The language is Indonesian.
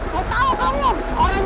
kau tahu kamu orang dia nabrak bening